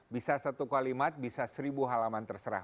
bisa satu kalimat bisa seribu halaman terserah